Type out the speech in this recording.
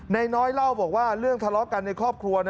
นายน้อยเล่าบอกว่าเรื่องทะเลาะกันในครอบครัว